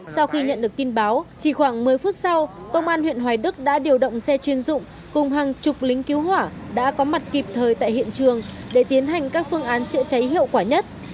sau khi nhận được tin báo chỉ khoảng một mươi phút sau công an huyện hoài đức đã điều động xe chuyên dụng cùng hàng chục lính cứu hỏa đã có mặt kịp thời tại hiện trường để tiến hành các phương án chữa cháy hiệu quả nhất